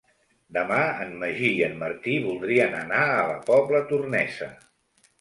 Demà en Magí i en Martí voldrien anar a la Pobla Tornesa.